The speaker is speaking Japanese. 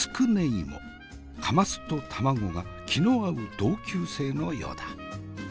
カマスと卵が気の合う同級生のようだ。